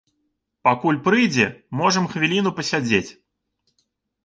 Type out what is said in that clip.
Пакуль прыйдзе, можам хвіліну пасядзець.